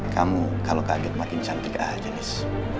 kamu kalau kaget makin cantik aja nis